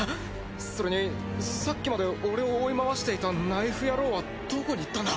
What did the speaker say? それにさっきまで俺を追い回していたナイフ野郎はどこに行ったんだ？